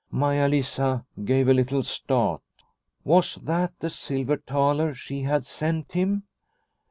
Maia Lisa gave a little start. Was that the silver thaler she had sent him